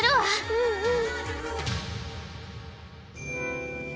うんうん。